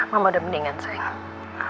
mama udah mendingan semua